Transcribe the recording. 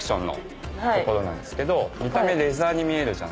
見た目レザーに見えるじゃないですか。